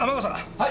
はい。